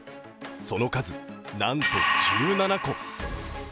その数なんと１７個。